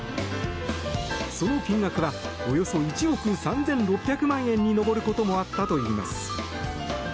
その金額はおよそ１億３６００万円に上ることもあったといいます。